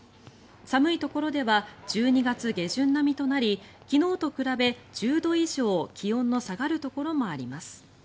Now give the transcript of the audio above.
寒いところでは１２月下旬並みとなり昨日と比べ、１０度以上気温の下がるところもあります。